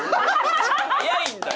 早いんだよ